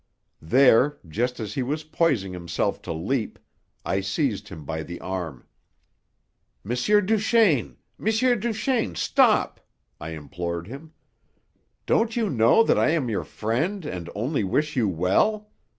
There, just as he was poising himself to leap, I seized him by the arm. "M. Duchaine! M. Duchaine! Stop!" I implored him. "Don't you know that I am your friend and only wish you well?